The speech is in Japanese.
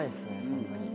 そんなに。